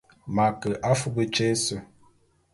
M'a ke afub tyé ése.